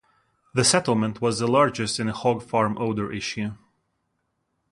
The settlement was the largest in a hog farm odor issue.